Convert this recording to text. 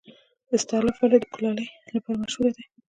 استالف ولې د کلالۍ لپاره مشهور دی؟